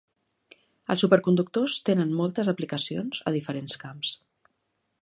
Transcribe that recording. Els superconductors tenen moltes aplicacions a diferents camps.